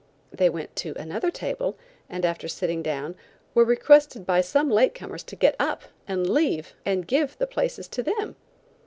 They went to another table and after sitting down, were requested by some late comers to get up and give the places to them.